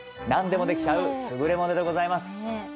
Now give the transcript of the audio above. なんでもできちゃう優れものでございます。